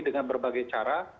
dengan berbagai cara